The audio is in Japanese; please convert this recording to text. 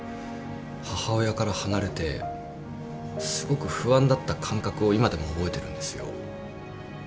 母親から離れてすごく不安だった感覚を今でも覚えてるんですよ。